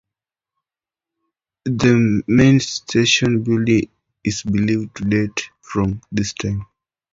The main station building is believed to date from this time.